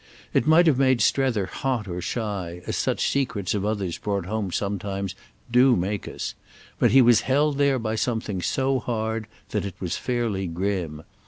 It might have made Strether hot or shy, as such secrets of others brought home sometimes do make us; but he was held there by something so hard that it was fairly grim.